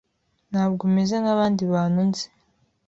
Ntabwo umeze nkabandi bantu nzi.